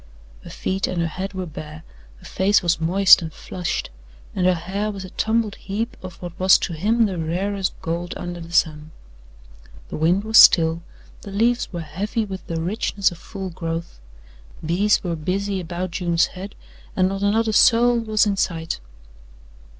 Her feet and her head were bare, her face was moist and flushed and her hair was a tumbled heap of what was to him the rarest gold under the sun. The wind was still, the leaves were heavy with the richness of full growth, bees were busy about June's head and not another soul was in sight.